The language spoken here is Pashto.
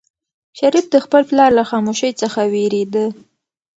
شریف د خپل پلار له خاموشۍ څخه وېرېده.